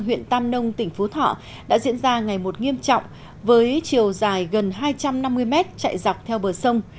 huyện tam nông tỉnh phú thọ đã diễn ra ngày một nghiêm trọng với chiều dài gần hai trăm năm mươi mét chạy dọc theo bờ sông